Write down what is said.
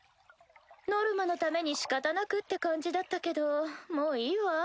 ノルマのためにしかたなくって感じだったけどもういいわ。